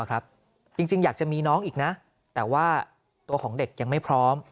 จริงอยากจะมีน้องอีกนะแต่ว่าตัวของเด็กยังไม่พร้อม